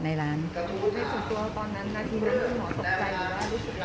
คุณที่สุดตัวตอนนั้นน่ะคุณไม่ได้ห่วงใจหรือเปล่า